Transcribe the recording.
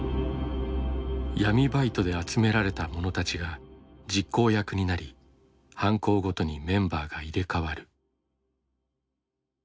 闇バイトで集められた者たちが実行役になり犯行ごとにメンバーが入れ替わる。